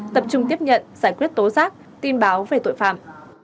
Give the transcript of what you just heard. tập trung tiếp nhận giải quyết tố giác tin báo về tội phạm